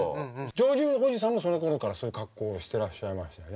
ジョージおじさんもそのころからそういう格好をしてらっしゃいましたね。